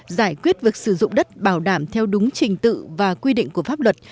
giải quyết việc sử dụng đất bảo đảm theo đúng trình tự và quy định của pháp luật